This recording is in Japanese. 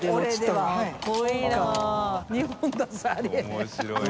面白いね。